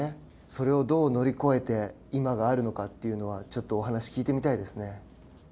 それを、どう乗り越えて今があるのかというのはちょっとお話聞いてみたいですね。